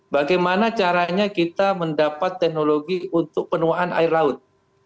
bagaimana caranya kita mendapat teknologi untuk penuaan air laut